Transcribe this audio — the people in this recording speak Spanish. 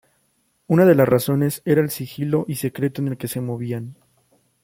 Una de las razones era el sigilo y secreto en el que se movían.